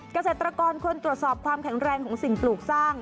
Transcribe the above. เกษตรกรควรตรวจสอบความแข็งแรงของสิ่งปลูกสร้าง